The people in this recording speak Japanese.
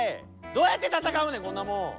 どうやってたたかうねんこんなもん！